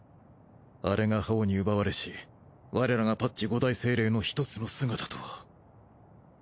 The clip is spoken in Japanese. あれがハオに奪われし我らがパッチ五大精霊の一つの姿とは。